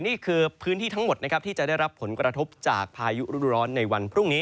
นี่คือพื้นที่ทั้งหมดนะครับที่จะได้รับผลกระทบจากพายุรุร้อนในวันพรุ่งนี้